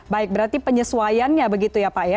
baik berarti penyesuaiannya begitu ya pak ya